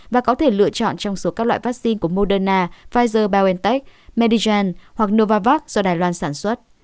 và có thể lựa chọn trong số các loại vaccine của moderna pfizer biontech medigen hoặc novavax do đài loan sản xuất